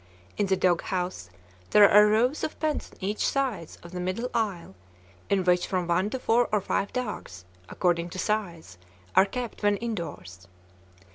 In the dog house there are rows of pens on each side of the middle aisle, in which from one to four or five dogs, according to size, are kept when indoors.